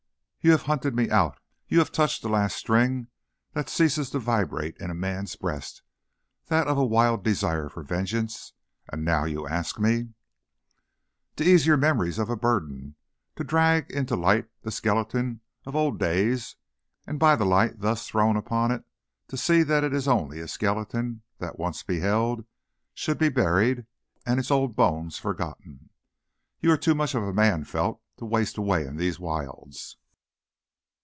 "You have hunted me out, you have touched the last string that ceases to vibrate in a man's breast that of a wild desire for vengeance and now you ask me " "To ease your memories of a burden. To drag into light the skeleton of old days, and by the light thus thrown upon it to see that it is only a skeleton, that, once beheld, should be buried and its old bones forgotten. You are too much of a man, Felt, to waste away in these wilds.